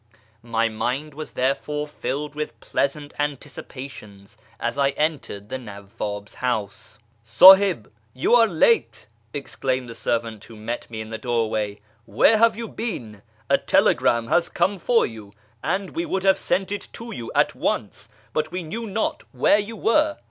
My mind was therefore filled with pleasant anticipations as I entered the Nawwab's house. " S;ihib, you are late," exclaimed the servant who met me in the doorway ;" where have you been ? A telegram has come for you, and we would have sent it to you at once, but we knew not where you were."